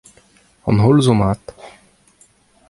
An holl zo mat.